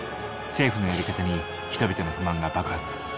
政府のやり方に人々の不満が爆発。